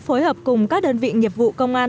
phối hợp cùng các đơn vị nghiệp vụ công an